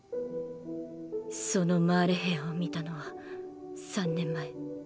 そのマーレ兵を見たのは３年前。